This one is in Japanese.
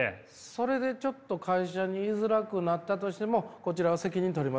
それでちょっと会社にいづらくなったとしてもこちらは責任とれませんので。